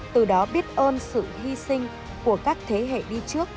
từ đó biết ơn sự hy sinh của các thế hệ đi trước